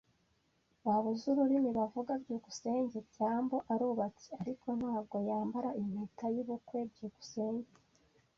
Waba uzi ururimi bavuga? byukusenge byambo arubatse, ariko ntabwo yambara impeta yubukwe. byukusenge